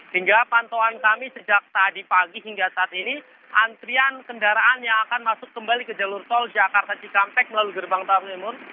hingga pantauan kami sejak tadi pagi hingga saat ini antrian kendaraan yang akan masuk kembali ke jalur tol jakarta cikampek melalui gerbang tol timur